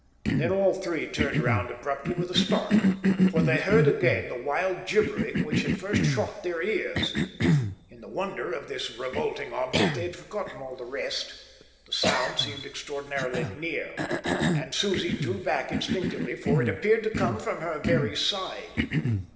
Then all three turned around abruptly with a start, for they heard again the wild gibbering which had first shocked their ears. In the wonder of this revolting object they had forgotten all the rest. The sound seemed extraordinarily near, and Susie drew back instinctively, for it appeared to come from her very side.